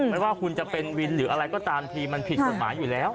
ไม่ว่าคุณจะเป็นวินหรืออะไรก็ตามทีมันผิดกฎหมายอยู่แล้ว